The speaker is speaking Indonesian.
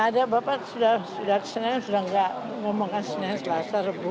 nggak ada bapak sudah sudah sudah sudah nggak ngomongkan senang senang selasa rebu